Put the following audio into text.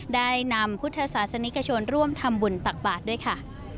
ได้นำพุทธศาสนิกชนร่วมทำบุญตักบาทด้วยค่ะ